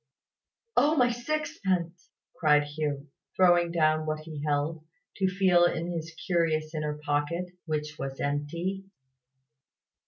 "Oh, my sixpence!" cried Hugh, throwing down what he held, to feel in his curious inner pocket, which was empty.